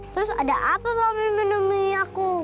terus ada apa pak mimin demi aku